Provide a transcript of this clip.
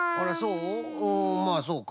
うんまあそうか。